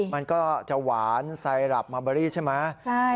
มันก็จะหวานไซรับมาเบอรี่ใช่ไหม